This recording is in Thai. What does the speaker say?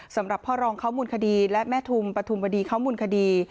สำหรับพ่อรองเค้ามุนคดีและแม่ทุมปฐมวดีเค้ามุนคดี